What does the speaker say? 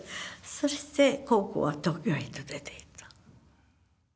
そして紘子は東京へと出ていった。